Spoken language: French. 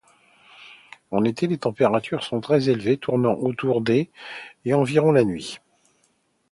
En été, les températures sont très élevées, tournant autour des et environ la nuit.